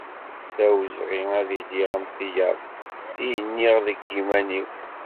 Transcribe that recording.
D awezɣi ad iliɣ am tiyaḍ i nniɣ deg yiman-iw.